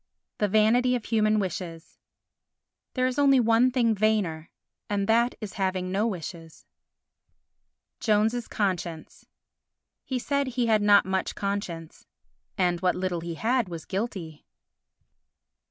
The Vanity of Human Wishes There is only one thing vainer and that is the having no wishes. Jones's Conscience He said he had not much conscience, and what little he had was guilty.